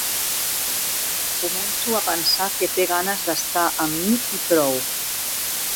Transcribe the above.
Començo a pensar que té ganes d'estar amb mi i prou.